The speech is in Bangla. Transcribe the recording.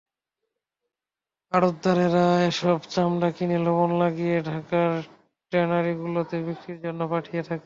আড়তদারেরা এসব চামড়া কিনে লবণ লাগিয়ে ঢাকার ট্যানারিগুলোতে বিক্রির জন্য পাঠিয়ে থাকেন।